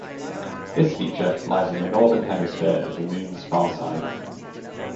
This feature lies on the northern hemisphere of the Moon's far side.